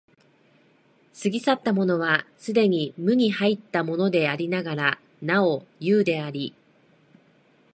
過ぎ去ったものは既に無に入ったものでありながらなお有であり、